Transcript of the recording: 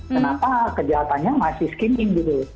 kenapa kejahatannya masih skimming gitu loh